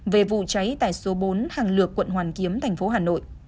về vụ cháy tại số bốn hàng lược quận hoàn kiếm tp hà nội